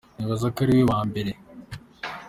"Nibaza ko ari we wa mbere.